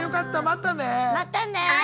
またね！